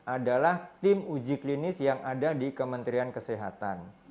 adalah tim uji klinis yang ada di kementerian kesehatan